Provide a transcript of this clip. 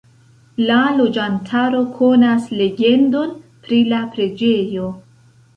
La loĝantaro konas legendon pri la preĝejo.